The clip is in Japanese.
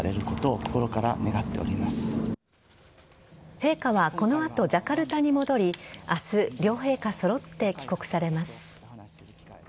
陛下はこの後ジャカルタに戻り明日、両陛下揃って帰国されます。